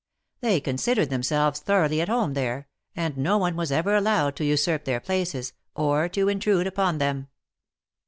They con sidered themselves thoroughly at home there, and no one was ever allowed to usurp their places, or to intrude upon them.